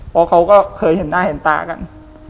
เพราะเขาก็เคยเห็นหน้าเห็นตากัน